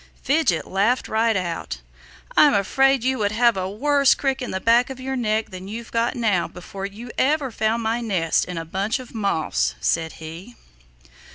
Fidget laughed right out. "I'm afraid you would have a worse crick in the back of your neck than you've got now before ever you found my nest in a bunch of moss," said he.